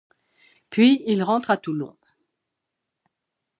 Puis, il rentre à Toulon.